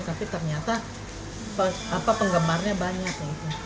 tapi ternyata penggemarnya banyak